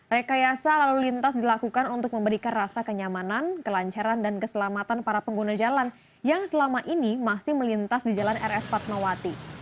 rekayasa lalu lintas dilakukan untuk memberikan rasa kenyamanan kelancaran dan keselamatan para pengguna jalan yang selama ini masih melintas di jalan rs fatmawati